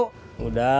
udah lo taruh